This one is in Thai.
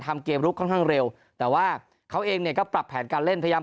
ทำเกมลุกค่อนข้างเร็วแต่ว่าเขาเองเนี่ยก็ปรับแผนการเล่นพยายาม